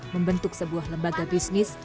membentuk sebuah lembaga bisnis